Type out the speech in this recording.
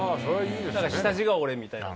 だから下地が俺みたいな。